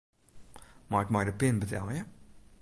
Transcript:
Mei ik mei de pin betelje?